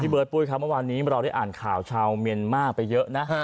บ๊วยบาทพลอยค่ะเมื่อวานนี้เราได้อ่านข่าวชาวเมียนมากไปเยอะนะ